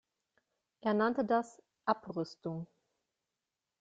Er nannte das „Abrüstung“.